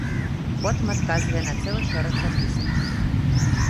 Потым адказвае на цэлы шэраг запісак.